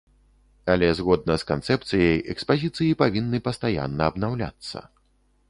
Але згодна з канцэпцыяй, экспазіцыі павінны пастаянна абнаўляцца.